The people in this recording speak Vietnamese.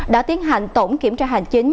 đã tiến hành tổng kiểm tra hành chính